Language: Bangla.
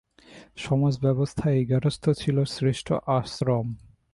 সমাজব্যবস্থায় গার্হস্থ্য ছিল শ্রেষ্ঠ আশ্রম।